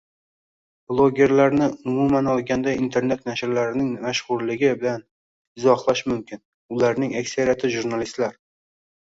Bloggerlarni, umuman olganda, internet nashrlarining mashhurligi bilan izohlash mumkin: ularning aksariyati jurnalistlar